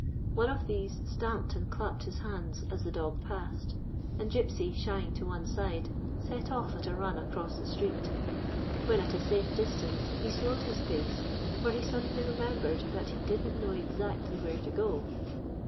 One of these stamped and clapped his hands as the dog passed ; and Gypsy, shying to one side, set off at a run across the street. When at a safe dis tance, he slowed his pace, for he suddenly re membered that he did n't know exactly where to go.